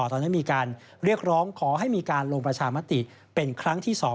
ตอนนี้มีการเรียกร้องขอให้มีการลงประชามติเป็นครั้งที่๒